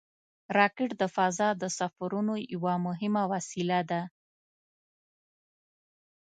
راکټ د فضا د سفرونو یوه مهمه وسیله ده